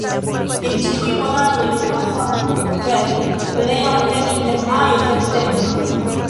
En ĉiuj monatoj pluva, sed plej ofte inter majo-septembro.